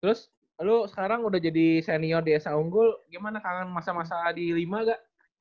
terus lu sekarang udah jadi senior di somu gimana kangen masa masa di lima ga